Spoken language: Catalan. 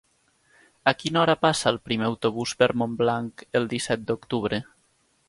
A quina hora passa el primer autobús per Montblanc el disset d'octubre?